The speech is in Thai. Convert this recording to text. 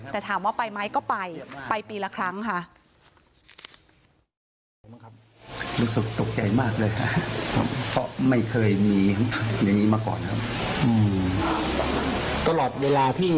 แต่ถามว่าไปไหมก็ไปไปปีละครั้งค่ะ